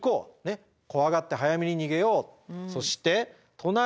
怖がって早めに逃げよう。